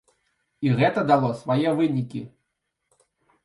І гэта дало свае вынікі.